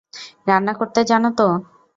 রান্না করতে জানো তো?